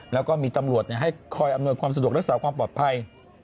แล้วก็มีตำรวจให้คอยอำนวยความสะดวกรักษาความปลอดภัย